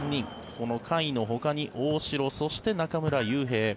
この甲斐のほかに大城、そして中村悠平。